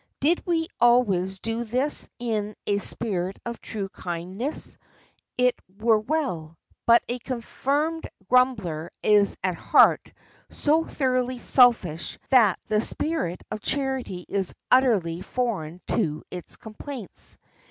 Did we always do this in a spirit of true kindness it were well; but a confirmed grumbler is at heart so thoroughly selfish that the spirit of charity is utterly foreign to his complaints.